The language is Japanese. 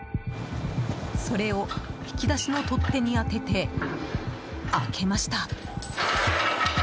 それを引き出しの取っ手に当てて、開けました！